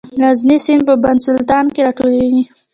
د غزني سیند په بند سلطان کې راټولیږي